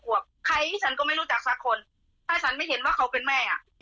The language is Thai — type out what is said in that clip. ขวบใครฉันก็ไม่รู้จักสักคนถ้าฉันไม่เห็นว่าเขาเป็นแม่อ่ะ